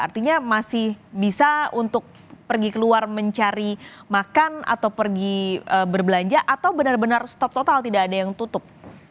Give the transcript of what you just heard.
artinya masih bisa untuk pergi keluar mencari makan atau pergi berbelanja atau benar benar stop total tidak ada yang tutup